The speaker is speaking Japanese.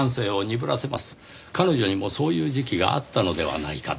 彼女にもそういう時期があったのではないかと。